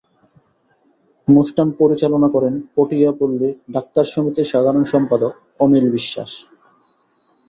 অনুষ্ঠান পরিচালনা করেন পটিয়া পল্লি ডাক্তার সমিতির সাধারণ সম্পাদক অনিল বিশ্বাস।